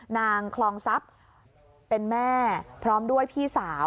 นางคลองทรัพย์เป็นแม่พร้อมด้วยพี่สาว